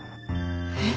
えっ！？